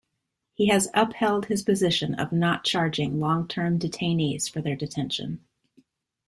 He has upheld his position of not charging long-term detainees for their detention.